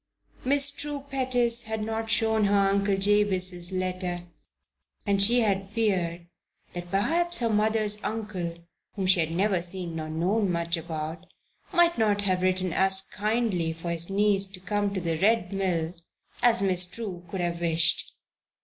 Miss True Pettis had not shown her Uncle Jabez's letter and she had feared that perhaps her mother's uncle (whom she had never seen nor known much about) might not have written as kindly for his niece to come to the Red Mill as Miss True could have wished.